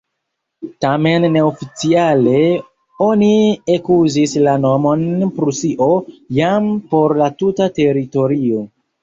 Tamen ne-oficiale oni ekuzis la nomon "Prusio" jam por la tuta teritorio.